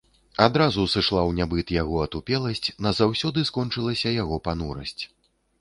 Адразу сышла ў нябыт яго атупеласць, назаўсёды скончылася яго панурасць.